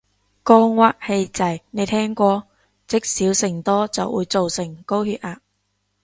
肝鬱氣滯，你聽過？積少成多就會做成高血壓